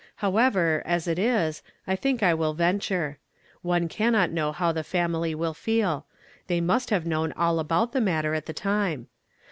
However, as it is, 1 think 1 will venture. One eannot know how the family will feel ; they must have known all about tlie matter at the time.